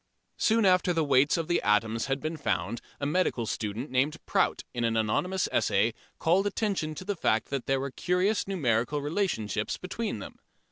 Soon after the weights of the atoms had been found a medical student named Prout in an anonymous essay called attention to the fact that there were curious numerical relationships between them.